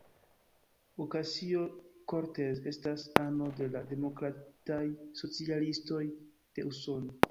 Ocasio-Cortez estas ano de la Demokrataj Socialistoj de Usono.